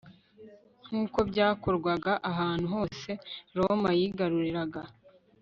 nkuko byakorwaga ahantu hose roma yigaruriraga